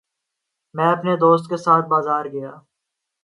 میں اپنے دوست کے ساتھ بازار گیا